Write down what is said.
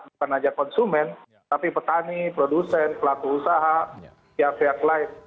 bukan saja konsumen tapi petani produsen pelaku usaha pihak pihak lain